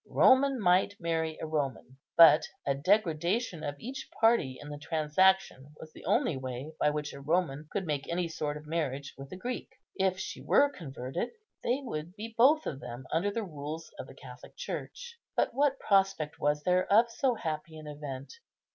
Roman might marry a Roman; but a degradation of each party in the transaction was the only way by which a Roman could make any sort of marriage with a Greek. If she were converted, they would be both of them under the rules of the Catholic Church. But what prospect was there of so happy an event?